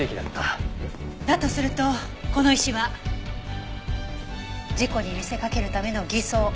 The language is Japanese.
だとするとこの石は事故に見せかけるための偽装。